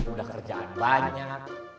udah kerjaan banyak